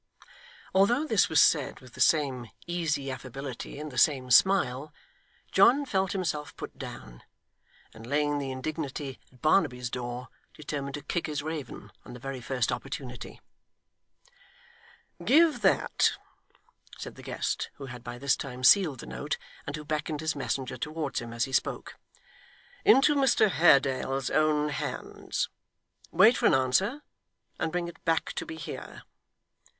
Although this was said with the same easy affability, and the same smile, John felt himself put down, and laying the indignity at Barnaby's door, determined to kick his raven, on the very first opportunity. 'Give that,' said the guest, who had by this time sealed the note, and who beckoned his messenger towards him as he spoke, 'into Mr Haredale's own hands. Wait for an answer, and bring it back to me here.